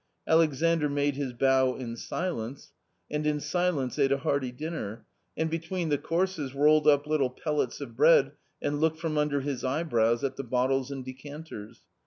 Alexandr made his bow in silence and in silence ate a hearty dinner, and between the courses rolled up little pellets of bread and looked from under his eyebrows at the bottles and decanters.